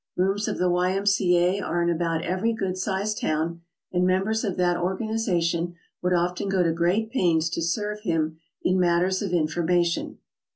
Rooms of the Y. M. C. A. are in about every good sized town, and members of that organization would often go to great pains to serve him in matters of information.